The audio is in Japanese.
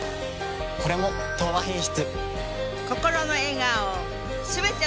これも「東和品質」。